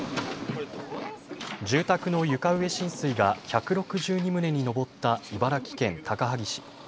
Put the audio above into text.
住宅の床上浸水が１６２棟に上った茨城県高萩市。